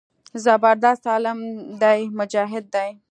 زبردست عالم دى مجاهد دى.